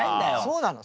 そうなの。